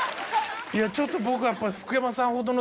いやちょっと僕はやっぱり。